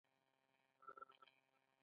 ادبي نثر به هرو مرو لوړ پیغام لري.